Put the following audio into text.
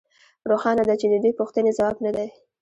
روښانه ده چې د دې پوښتنې ځواب نه دی